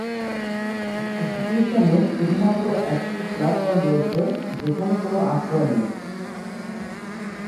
স্টেশনে শুধুমাত্র একটি প্ল্যাটফর্ম রয়েছে যেখানে কোন আশ্রয় নেই।